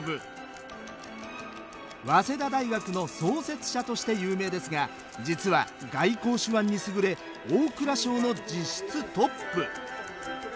早稲田大学の創設者として有名ですが実は外交手腕に優れ大蔵省の実質トップ。